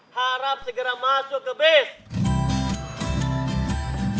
harap segera masuk ke base